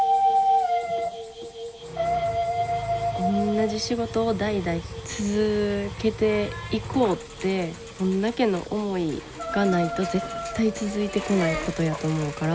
同じ仕事を代々続けていこうってこんだけの思いがないと絶対続いてこないことやと思うから。